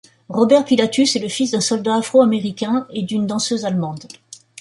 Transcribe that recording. Robert Pilatus est le fils d'un soldat afro-américain et d'une danseuse allemande.